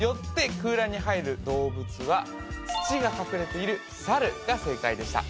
空欄に入る動物は土が隠れている猿が正解でした